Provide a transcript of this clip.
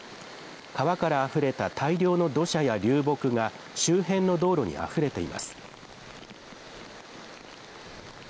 川からあふれた大量の土砂や流木が、周辺の道路にあふれています。